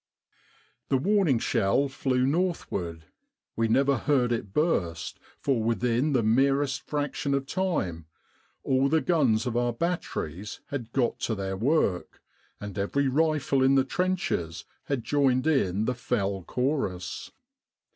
" The warning shell flew northward. We never 65 With the R.A.M.C. in Egypt heard it burst, for within the merest fraction of time all the guns of our batteries had got to their work, and every rifle in the trenches had joined in the fell chorus.